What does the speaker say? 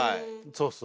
そうそう。